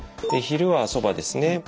昼はそばですね。